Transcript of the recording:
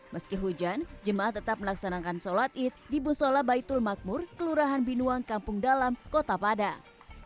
meski hujan jemaah tetap melaksanakan sholat id di busola baitul makmur kelurahan binuang kampung dalam kota padang